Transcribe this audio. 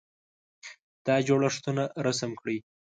دا جوړښتونه رسم کړئ.